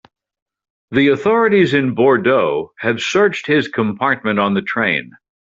The authorities in Bordeaux have searched his compartment on the train.